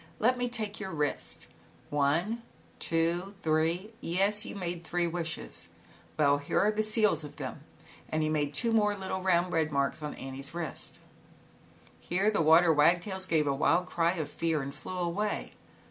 Let me take your wrist, one, two, three, yes, you made three wishes. Well, here are the seals of them,' and he ZAUBERLINDA, THE WISE WITCH. 1Q3 made two more little round red marks on Annie's wrist. Here the water wagtails gave a wild cry of fear and flew away.